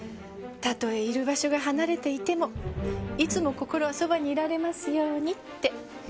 たとえいる場所が離れていてもいつも心はそばにいられますようにって。